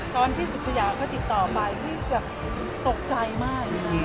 ตอนที่สุขสยาเขาติดต่อไปพี่ก็ตกใจมาก